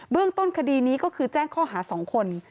เรื่องต้นคดีนี้ก็คือแจ้งข้อหา๒คน